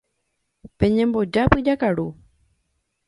Peñembojápy jakaru.